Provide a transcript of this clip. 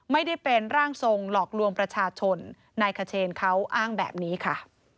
ไม่ได้เป็นร่างทรงหลอกลวงประชาชนนายขเชนเขาอ้างแบบนี้ค่ะ